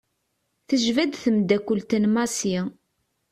Tejba-d temddakelt n Massi.